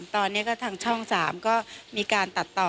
ตอนนี้ก็ทางช่อง๓ก็มีการตัดต่อ